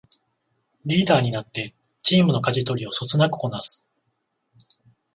リーダーになってチームのかじ取りをそつなくこなす